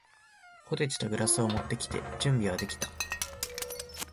ポテチとグラスを持ってきて、準備はできた。